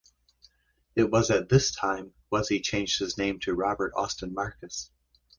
It was at this time was he changed his name to Robert Austin Markus.